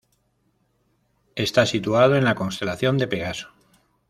Está situado en la constelación de Pegaso.